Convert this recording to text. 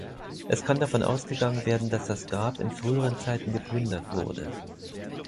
Es kann davon ausgegangen werden, dass das Grab in früheren Zeiten geplündert wurde.